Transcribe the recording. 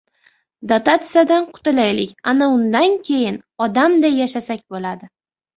Dotatsiyadan qutulaylik, ana undan keyin odamday yashasak bo‘ladi!